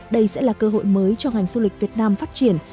đây sẽ là cơ hội mới cho ngành du lịch việt nam phát triển